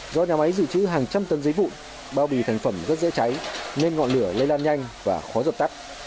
do nhà máy dự trữ hàng trăm tấn giấy vụn bao bì thành phẩm rất dễ cháy nên ngọn lửa lây lan nhanh và khó dập tắt